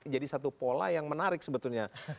jadi satu pola yang menarik sebetulnya